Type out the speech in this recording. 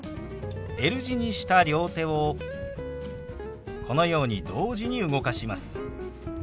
Ｌ字にした両手をこのように同時に動かします。